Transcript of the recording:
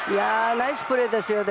ナイスプレーですよ。